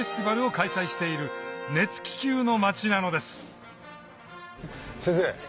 開催している熱気球の町なのです先生